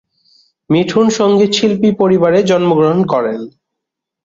মিথুন সঙ্গীতশিল্পী পরিবারে জন্মগ্রহণ করেন।